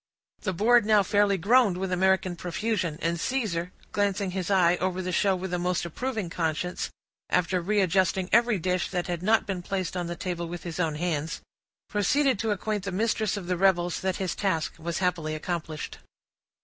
The board now fairly groaned with American profusion, and Caesar, glancing his eye over the show with a most approving conscience, after readjusting every dish that had not been placed on the table with his own hands, proceeded to acquaint the mistress of the revels that his task was happily accomplished.